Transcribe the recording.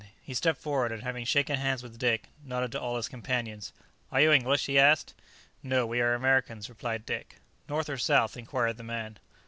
He stepped forward, and having shaken hands with Dick, nodded to all his companions. "Are you English?" he asked. "No; we are Americans," replied Dick. "North or South?" inquired the man.